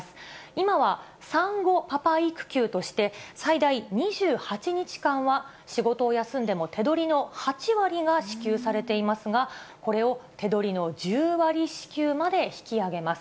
今は産後パパ育休として、最大２８日間は仕事を休んでも手取りの８割が支給されていますが、これを手取りの１０割支給まで引き上げます。